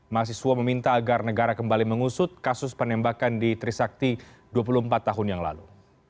mahasiswa meminta agar negara kembali mengusut kasus penembakan di trisakti dua puluh empat tahun yang lalu